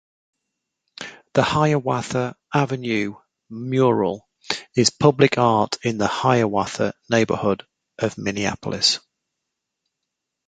The Hiawatha Avenue Mural is public art in the Hiawatha neighborhood of Minneapolis.